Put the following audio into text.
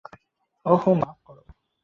ওহ, মাফ করো।